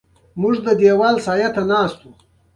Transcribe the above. د بیان لغوي مانا کشف، ايضاح، سپړل او په ډاګه کول دي.